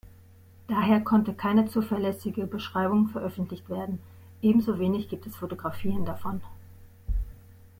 Daher konnte keine zuverlässige Beschreibung veröffentlicht werden, ebenso wenig gibt es Fotografien davon.